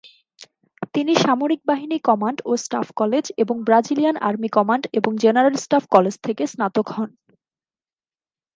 তিনি সামরিক বাহিনী কমান্ড ও স্টাফ কলেজ এবং ব্রাজিলিয়ান আর্মি কমান্ড এবং জেনারেল স্টাফ কলেজ থেকে স্নাতক হন।